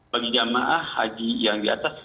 bagi jamaah haji yang di atas